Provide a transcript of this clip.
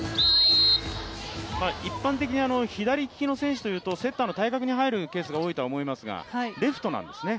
一般的に左利きの選手というとセッターの対角に入るケースが多いとは思いますがレフトなんですね。